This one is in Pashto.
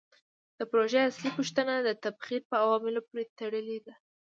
د پروژې اصلي پوښتنه د تبخیر په عواملو پورې تړلې ده.